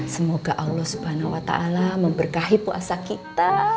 semoga allah swt memberkahi puasa kita